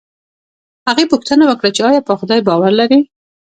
هغې پوښتنه وکړه چې ایا په خدای باور لرې